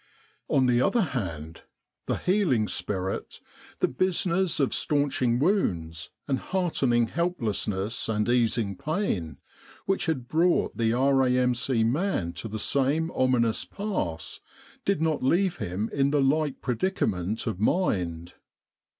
On the other hand, the healing spirit the business of staunching wounds, and heartening helplessness and easing pain which had brought the R.A.M.C. man to the same ominous pass, did not leave him in the like predicament of mind.